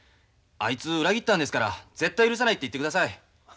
あいつ裏切ったんですから絶対許さないって言ってください。